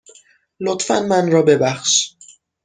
لطفاً من را ببخش.